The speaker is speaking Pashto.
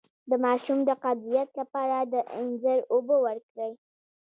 د ماشوم د قبضیت لپاره د انځر اوبه ورکړئ